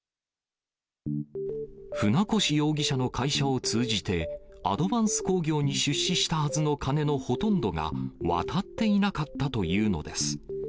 船越容疑者の会社を通じて、アドヴァンス工業に出資したはずの金のほとんどが渡っていなかったというのです。